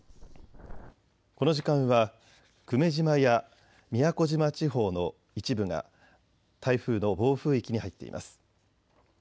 この時間は久米島や宮古島地方の一部が台風の暴風域に入っています。